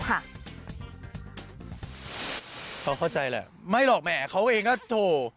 เขาเข้าใจแหละไม่หรอกแหมเขาเองก็โถ